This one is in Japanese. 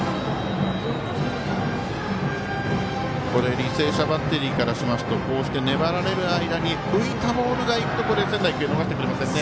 履正社バッテリーからしますと、こうして粘られる間に浮いたボールがいくと仙台育英は逃してくれませんね。